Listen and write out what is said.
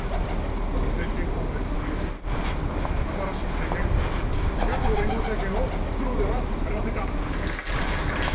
政権交代を実現し、新しい政権、野党連合政権を作ろうではありませんか。